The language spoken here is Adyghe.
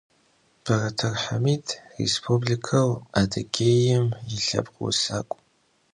Beretere Hamid Rêspublikeu Adıgêim yilhepkh vusak'u.